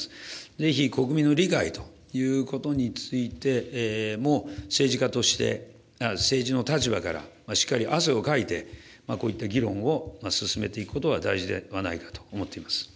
ぜひ国民の理解ということについても、政治家として、政治の立場から、しっかり汗をかいて、こういった議論を進めていくことは大事ではないかと思っています。